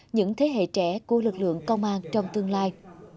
những thế hệ trẻ của lực lượng công an trong tương lai